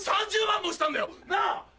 ３０万もしたんだよなぁ？